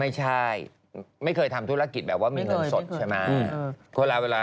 ไม่เคยทำธุรกิจแบบว่ามีเงินสดใช่ไหม